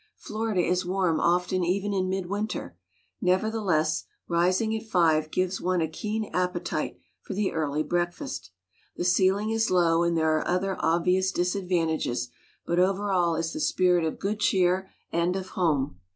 Florida is warm often even in midwinter; nevertheless, rising at five gives one a keen appetite for the early breakfast. The ceiling is low and there are other obvious disadvantages; but over all is the spirit of good cheer and of home.